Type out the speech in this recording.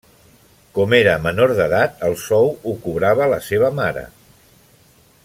Com era menor d'edat el sou ho cobrava la seva mare.